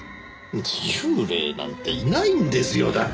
幽霊なんていないんですよだから。